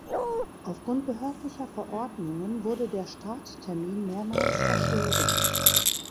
Aufgrund behördlicher Verordnungen wurde der Starttermin mehrmals verschoben.